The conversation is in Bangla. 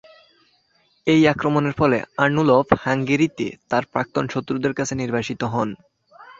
এই আক্রমণের ফলে আর্নুলফ হাঙ্গেরিতে তার প্রাক্তন শত্রুদের কাছে নির্বাসিত হন।